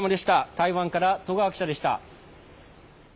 台湾から戸川記者でした。